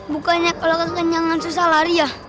bukannya kalau kekenyangan susah lari ya